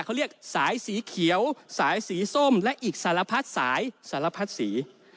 เขาเรียกสายสีเขียวสายสีส้มและอีกสารพัดสายสารพัดสี